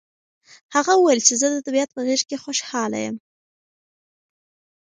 هغه وویل چې زه د طبیعت په غېږ کې خوشحاله یم.